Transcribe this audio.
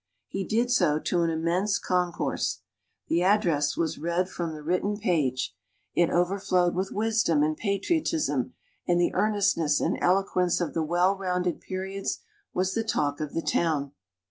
He did so to an immense concourse. The address was read from the written page. It overflowed with wisdom and patriotism; and the earnestness and eloquence of the well rounded periods was the talk of the town.